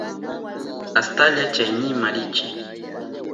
Astalla chaynikman riychi.